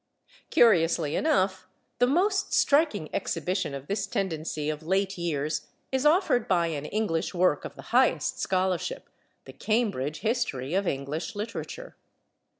Curiously enough, the most striking exhibition of this tendency of late years is offered by an English work of the highest scholarship, the Cambridge History of English Literature.